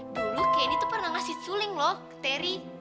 dulu kendi tuh pernah ngasih suling loh ke tiri